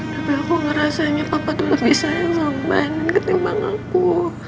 tapi aku ngerasanya papa tuh lebih sayang sama nino ketimbang aku